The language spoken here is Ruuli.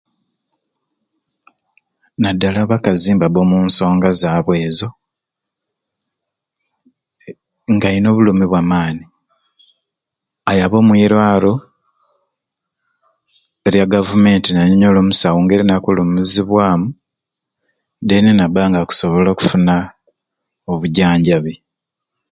Naddala abakazi nibabba omu nsonga zaabwe ezo e nga alina obulumi obwa maani ayaba omwirwaro erya Gavumenti nanyonyola omusawo ngeri na kulumizibwamu deni nabba nga akusobola okufuna obujanjabi.